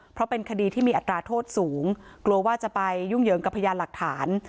เพราะเป็นคดีที่มีอัตราโทษสูงกลัวว่าจะไปยุ่งเหยิงกับพยานหลักฐาน